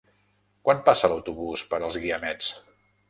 Quan passa l'autobús per els Guiamets?